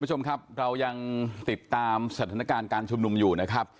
คุณผู้ชมครับเรายังติดตามสถานการณ์การชุมนุมอยู่นะครับ